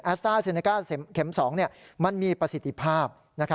สต้าเซเนก้าเข็ม๒มันมีประสิทธิภาพ